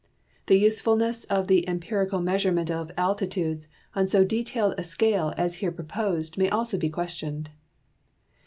The usefulness of the empirical measurement of altitudes on so detailed a scale as here proposed may also be questioned.